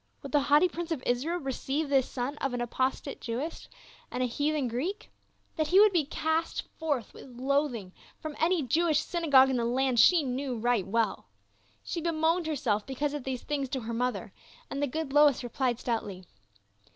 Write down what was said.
Would the haughty prince of Israel receive this son of an apostate Jewess and a heathen Greek ? That he would be cast forth with loathing from any Jewish synagogue in the land she knew right well. She be moaned herself because of these things to her mother, and the good Lois replied stoutly.